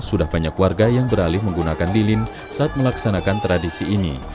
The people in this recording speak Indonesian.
sudah banyak warga yang beralih menggunakan lilin saat melaksanakan tradisi ini